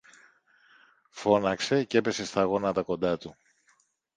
φώναξε, κι έπεσε στα γόνατα κοντά του.